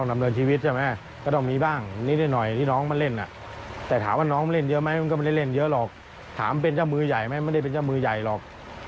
ไม่ได้เป็นท่ามือใหญ่หรอก